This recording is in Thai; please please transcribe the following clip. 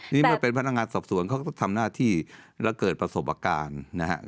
นี่ไม่เป็นพนักงานสบส่วนเขาก็ทำหน้าที่แล้วเกิดประสบการณ์